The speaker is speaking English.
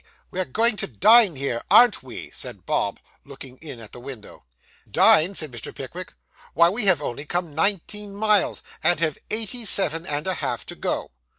We're going to dine here, aren't we?' said Bob, looking in at the window. 'Dine!' said Mr. Pickwick. 'Why, we have only come nineteen miles, and have eighty seven and a half to go.